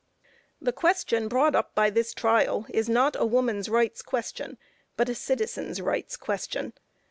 The question brought up by this trial is not a woman's rights question, but a citizen's rights question.